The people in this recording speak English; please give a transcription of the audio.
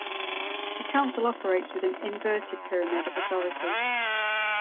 The Council operates with an "inverted" pyramid of authority.